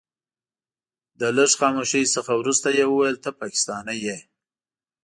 له لږ خاموشۍ څخه وروسته يې وويل ته پاکستانی يې.